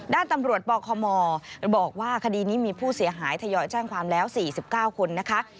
ด้านตำรวจปคมบอกว่าคดีนี้มีผู้เสียหายทยอยแจ้งความแล้ว๔๙คนนะคะ